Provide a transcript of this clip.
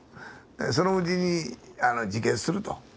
そのうちに自決すると。